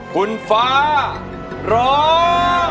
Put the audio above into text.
คุณฟ้าร้อง